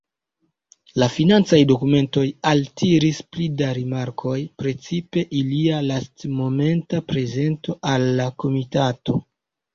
La financaj dokumentoj altiris pli da rimarkoj, precipe ilia lastmomenta prezento al la komitato.